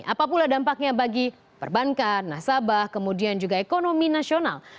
apa pula dampaknya bagi perbankan nasabah kemudian juga ekonomi nasional